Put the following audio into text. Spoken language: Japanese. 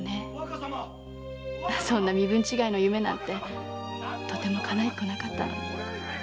そんな身分違いの夢なんてとてもかないっこなかったのに。